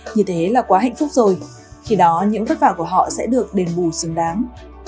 như thế là quá hạnh phúc rồi khi đó những vất vả của họ sẽ được đền bù xứng đáng